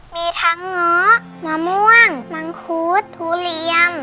มีทั้งเงาะมะม่วงมังคุดทุเรียน